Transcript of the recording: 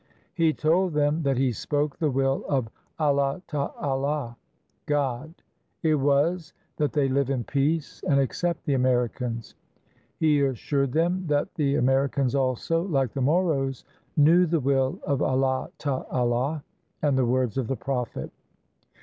He told them that he spoke the will of Allah 'ta Allah (God) ; it was that they hve in peace and accept the Americans. He assured them that the Ameri cans also, Uke the Moros, knew the will of Allah 'ta Allah and the words of the Prophet.